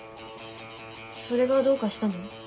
それがどうかしたの？